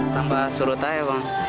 tambah surut aja bang